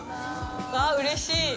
わあ、うれしい。